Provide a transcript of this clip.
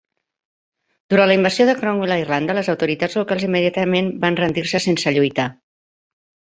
Durant la invasió de Cromwell a Irlanda, les autoritats locals immediatament van rendir-se sense lluitar.